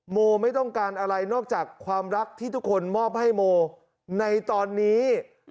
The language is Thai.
โมไม่ต้องการอะไรนอกจากความรักที่ทุกคนมอบให้โมในตอนนี้